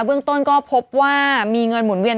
เบื้องต้นก็พบว่ามีเงินหมุนเวียน